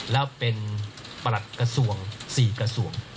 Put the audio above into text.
แล้วเป็นประหลัดกระทรวง๔กระทรวง